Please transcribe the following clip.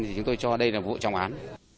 thì chúng tôi cho đây là vụ trọng án